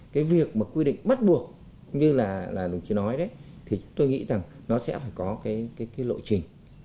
cái việc mà quy định bắt buộc như là đồng chí nói đấy thì tôi nghĩ rằng nó sẽ phải có cái lộ trình